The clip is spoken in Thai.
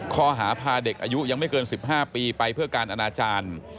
ข้อหาพาเด็กอายุยังไม่เกิน๑๕ปีไปเพื่อการอนาจารย์